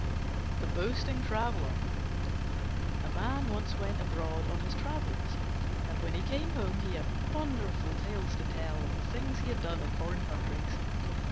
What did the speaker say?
THE BOASTING TRAVELLER A Man once went abroad on his travels, and when he came home he had wonderful tales to tell of the things he had done in foreign countries.